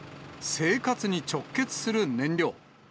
生活に直結する燃料。